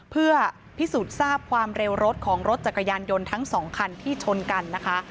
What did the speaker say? เพื่อพิสูจน์ทราบความเร็วรถของรถจักรยานยนต์ทั้งสองคันที่ชนกันนะคะ